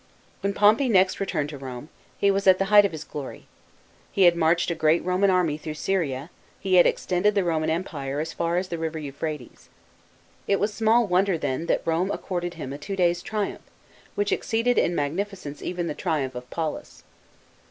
When Pompey next returned to Rome, he was at the height of his glory. He had marched a great Roman army through Syria ; he had ex ' tended the Roman Empire, as far as the river Euphrates. It was small wonder, then, that Rome accorcted him a two days' triumph, which exceeded in magnificence, even the triumph of Paulus.